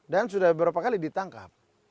dan sudah beberapa kali ditangkap